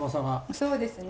そうですね。